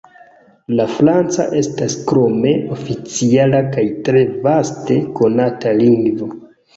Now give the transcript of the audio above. La franca estas krome oficiala kaj tre vaste konata lingvo.